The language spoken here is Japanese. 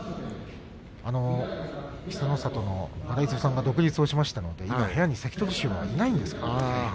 稀勢の里の荒磯さんが独立したので今、部屋に関取衆がいないんですよね。